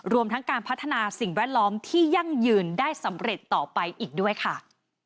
รวมทั้งการพัฒนาสิ่งแวดล้อมที่ยั่งยืนได้สำเร็จต่อไปอีกด้วยค่ะ